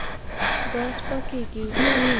ګاز پاکېږي.